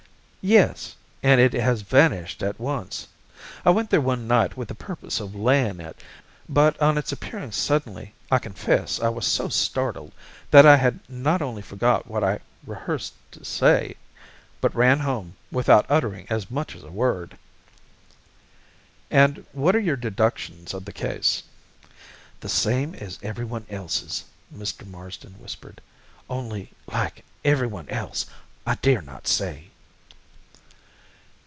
"Yes and it has vanished at once. I went there one night with the purpose of laying it, but, on its appearing suddenly, I confess I was so startled, that I not only forgot what I had rehearsed to say, but ran home, without uttering as much as a word." "And what are your deductions of the case?" "The same as everyone else's," Mr. Marsden whispered, "only, like everyone else, I dare not say."